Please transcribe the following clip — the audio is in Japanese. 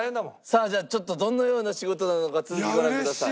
さあじゃあちょっとどのような仕事なのか続きご覧ください。